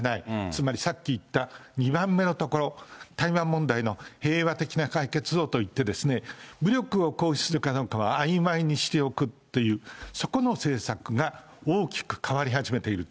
つまり、さっき言った２番目のところ、台湾問題の平和的な解決をといって、武力を行使するかどうかはあいまいにしておくという、そこの政策が大きく変わり始めている。